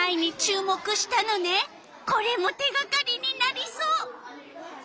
これも手がかりになりそう。